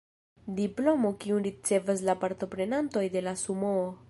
Diplomo kiun ricevas la partoprenantoj de la sumoo